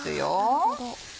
あなるほど。